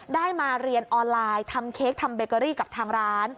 ได้มาเรียนออนไลน์ทำเค้กทำเบเกอรี่กับทางร้าน